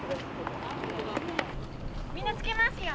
みんなつけますよ。